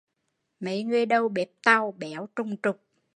Mấy người đầu bếp Tàu béo trùng trục